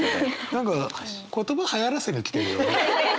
何か言葉はやらせに来てるよね？